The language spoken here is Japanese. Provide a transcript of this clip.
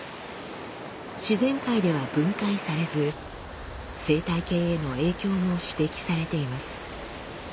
自然界では分解されず生態系への影響も指摘されています。